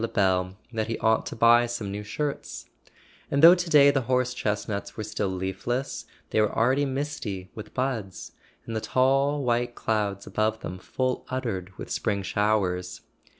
Lebel that he ought to buy some new shirts; and though to day the horse chestnuts were still leafless they were already misty with buds, and the tall white clouds above them full uddered with spring showers.